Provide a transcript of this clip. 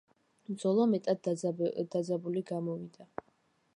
ბრძოლა მეტად დაძაბული გამოვიდა.